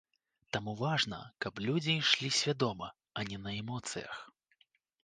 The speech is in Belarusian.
Таму важна, каб людзі ішлі свядома, а не на эмоцыях.